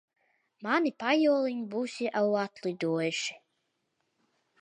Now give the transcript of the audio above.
Mani pajoliņi būs jau atlidojuši.